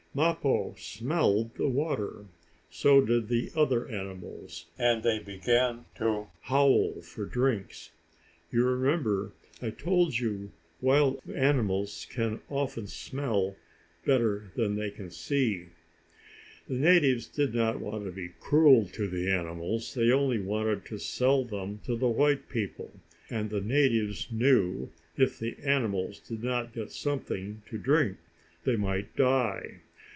Mappo smelled the water. So did the other animals, and they began to howl for drinks. You remember I told you wild animals can often smell better than they can see. The natives did not want to be cruel to the animals; they only wanted to sell them to the white people. And the natives knew if the animals did not get something to drink, they might die.